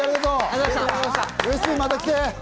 また来て！